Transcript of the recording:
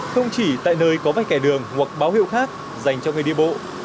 không chỉ tại nơi có vách kẻ đường hoặc báo hiệu khác dành cho người đi bộ